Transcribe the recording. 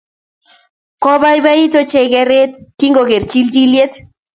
Kobaibait ochei geret kingogeer chilchilye